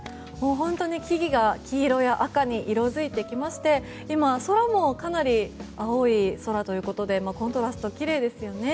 本当に木々が黄色や赤に色づいてきまして空もかなり青い空ということでコントラスト、きれいですよね。